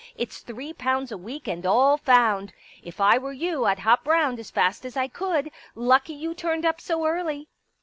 It's three pounds a week and all found. If I were you I'd hop round as fast as I could. Lucky you turned up so early